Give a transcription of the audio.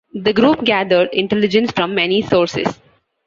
The group gathered intelligence from many sources.